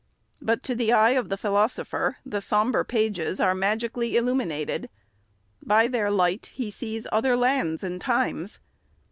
But to the eye of the philosopher, the sombre pages are magically illuminated. By their light he sees other lands and times.